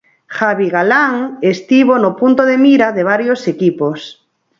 Javi Galán estivo no punto de mira de varios equipos.